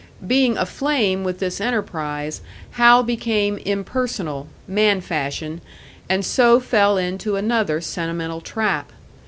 Being aflame with this enterprise, Hal became impersonal, man fashion and so fell into another sentimental trap!